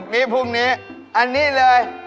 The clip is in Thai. ตายตาย